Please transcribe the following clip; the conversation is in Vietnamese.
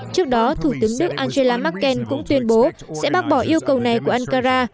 trước đó thủ tướng đức angela merkel cũng tuyên bố sẽ bác bỏ yêu cầu này của ankara